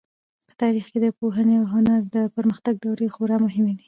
په تاریخ کې د پوهنې او هنر د پرمختګ دورې خورا مهمې دي.